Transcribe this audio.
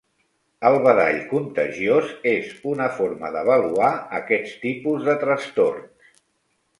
El badall contagiós és una forma d'avaluar aquest tipus de trastorns.